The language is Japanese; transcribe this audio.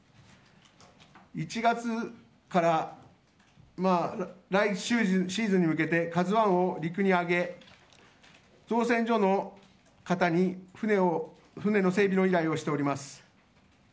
１月から来シーズンに向けて「ＫＡＺＵ１」を陸に揚げ、造船所の方に船の整備の依頼をしております。